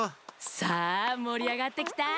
さあもりあがってきた！